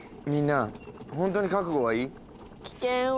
みんな本当に覚悟はいい？